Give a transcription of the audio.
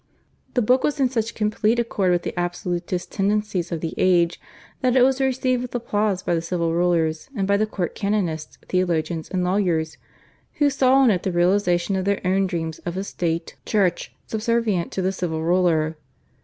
The book was in such complete accord with the absolutist tendencies of the age that it was received with applause by the civil rulers, and by the court canonists, theologians, and lawyers, who saw in it the realisation of their own dreams of a state Church subservient to the civil ruler.